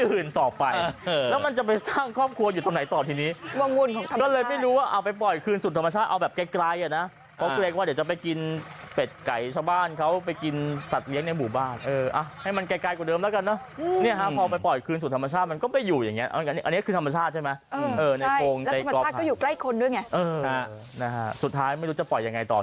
เพราะแกล้งว่าเดี๋ยวจะไปกินเป็ดไก่ชาวบ้านเขาไปกินสัตว์เย็นในหมู่บ้านเอออ่ะให้มันแกล้งกว่าเดิมแล้วกันเนอะเนี้ยฮะพอไปปล่อยคืนสู่ธรรมชาติมันก็ไปอยู่อย่างเงี้ยอันเนี้ยคือธรรมชาติใช่ไหมเออในโพรงใจกรอบภัณฑ์แล้วธรรมชาติก็อยู่ใกล้คนด้วยไงเออนะฮะสุดท้ายไม่รู้จะปล่